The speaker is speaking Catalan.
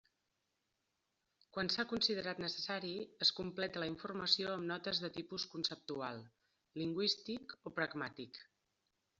Quan s'ha considerat necessari, es completa la informació amb notes de tipus conceptual, lingüístic o pragmàtic.